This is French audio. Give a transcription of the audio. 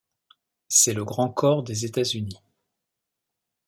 C'est le grand corps des États-Unis.